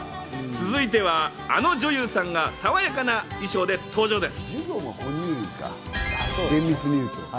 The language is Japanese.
続いては、あの女優さんがさわやかな衣装で登場です。